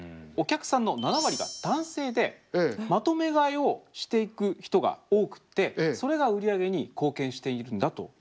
お客さんの７割が男性でまとめ買いをしていく人が多くてそれが売り上げに貢献しているんだと。